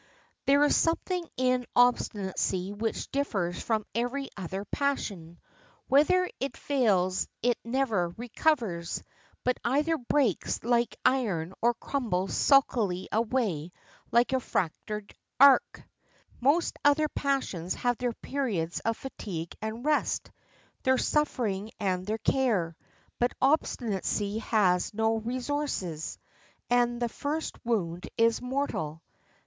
There is something in obstinacy which differs from every other passion. Whenever it fails it never recovers, but either breaks like iron or crumbles sulkily away like a fractured arch. Most other passions have their periods of fatigue and rest, their suffering and their care; but obstinacy has no resources, and the first wound is mortal.